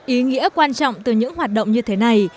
ý nghĩa quan trọng từ những hoạt động như thế này